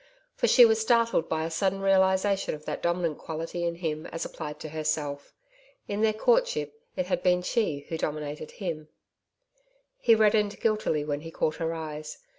For she was startled by a sudden realization of that dominant quality in him as applied to herself. In their courtship it had been she who dominated him. He reddened guiltily when he caught her eyes.